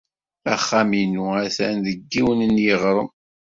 Axxam-inu atan deg yiwen n yiɣrem.